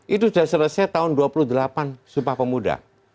itu sudah selesai tahun dua puluh delapan sumpah pemuda